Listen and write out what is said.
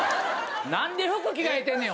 何で服着替えてんねん！